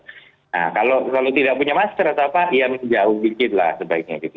nah kalau tidak punya masker atau apa ya jauh dikit lah sebaiknya gitu